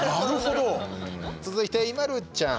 続いて、ＩＭＡＬＵちゃん。